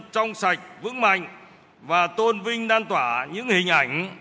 trong sạch vững mạnh và tôn vinh lan tỏa những hình ảnh